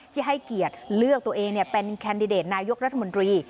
ให้เกียรติเลือกตัวเองเป็นแคนดิเดตนายกรัฐมนตรี